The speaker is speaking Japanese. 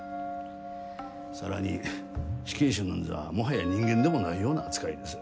更に死刑囚なんぞはもはや人間でもないような扱いです。